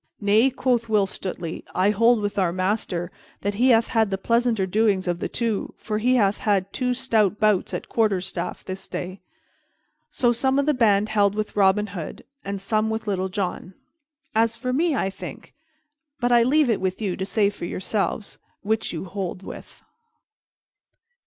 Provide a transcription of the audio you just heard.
"Nay," quoth Will Stutely, "I hold with our master, that he hath had the pleasanter doings of the two, for he hath had two stout bouts at quarterstaff this day." So some of the band held with Robin Hood and some with Little John. As for me, I think But I leave it with you to say for yourselves which you hold with.